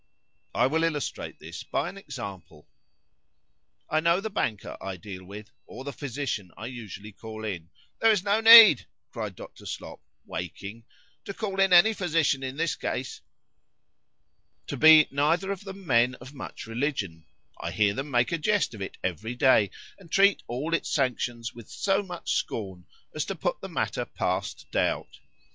"I will illustrate this by an example. "I know the banker I deal with, or the physician I usually call in,"—[There is no need, cried Dr. Slop, (waking) to call in any physician in this case]—"to be neither of them men of much religion: I hear them make a jest of it every day, and treat all its sanctions with so much scorn, as to put the matter past doubt.